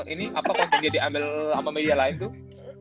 ini apa konten dia diambil sama media lain tuh